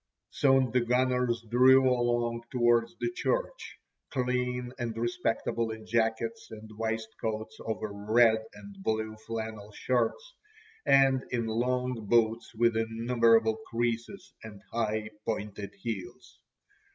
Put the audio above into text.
Soon the "gunners" drew along towards the church, clean and respectable in jackets and waistcoats over red and blue flannel shirts, and in long boots with innumerable creases, and high pointed heels.